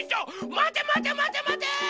まてまてまてまて！